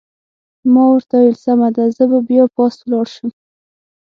ما ورته وویل: سمه ده، زه به بیا پاس ولاړ شم.